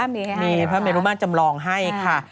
มีพระเมรุมาตรจำลองให้ค่ะ